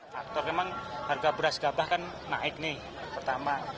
faktor memang harga beras gabah kan naik nih pertama